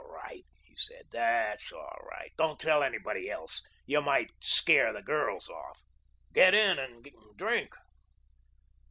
"All right," he said, "that's all right. Don't tell anybody else. You might scare the girls off. Get in and drink."